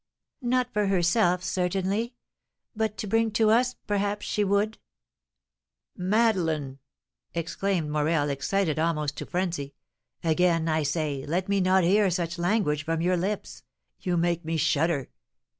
"Not for herself, certainly. But to bring to us perhaps she would " "Madeleine," exclaimed Morel, excited almost to frenzy, "again, I say, let me not hear such language from your lips; you make me shudder.